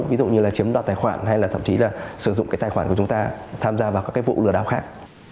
ví dụ như là chiếm đo tài khoản hay là thậm chí là sử dụng tài khoản của chúng ta tham gia vào các vụ lừa đảo khác